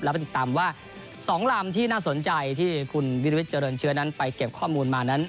แล้วไปติดตามว่า๒ลำที่น่าสนใจที่คุณวิริวิตเจริญเชื้อนั้นไปเก็บข้อมูลมานั้น